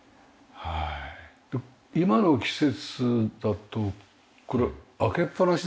今の季節だとこれ開けっぱなしでも。